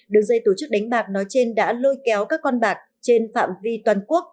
đường dây tổ chức đánh bạc nói trên đã lôi kéo các con bạc trên phạm vi toàn quốc